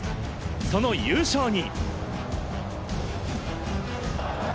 その優勝に。